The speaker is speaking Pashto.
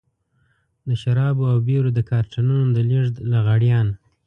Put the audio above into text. د شرابو او بيرو د کارټنونو د لېږد لغړيان.